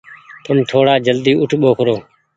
تم ٿوڙآ جلدي اوٺ ٻوکرو۔